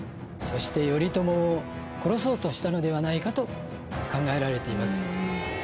そして頼朝を殺そうとしたのではないかと考えられています。